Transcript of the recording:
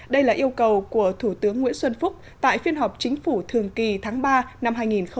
đây là yêu cầu của thủ tướng nguyễn xuân phúc tại phiên họp chính phủ thường kỳ tháng ba năm hai nghìn một mươi chín